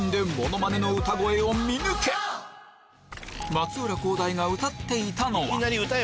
松浦航大が歌っていた